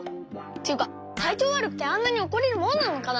ていうかたいちょうわるくてあんなにおこれるもんなのかな？